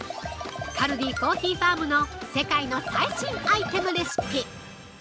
カルディコーヒーファームの世界の最新アイテムレシピ。